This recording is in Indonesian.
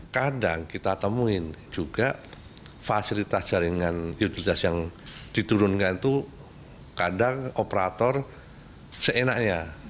kadang kita temuin juga fasilitas jaringan utilitas yang diturunkan itu kadang operator seenaknya